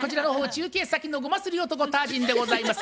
中継先のゴマすり男タージンでございます。